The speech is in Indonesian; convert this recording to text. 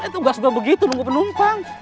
itu gak suka begitu nunggu penumpang